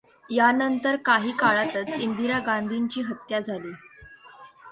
यानंतर काही काळातच इंदिरा गांधींची हत्या झाली.